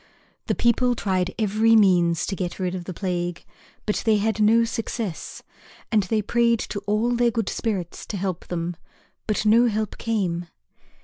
The people tried every means to get rid of the plague, but they had no success. And they prayed to all their good spirits to help them, but no help came.